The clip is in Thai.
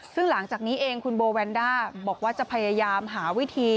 ซึ่งหลังจากนี้เองคุณโบแวนด้าบอกว่าจะพยายามหาวิธี